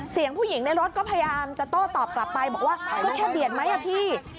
เสียงผู้หญิงในรถก็พยายามจะโต้ตอบกลับไปบอกว่าก็แค่เบียดไหมอ่ะพี่